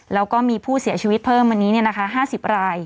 แล้วก็มีผู้เสียชีวิตเพิ่มวันนี้๕๐ราย